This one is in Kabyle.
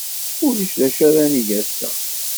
Ulac d acu ara neg ass-a.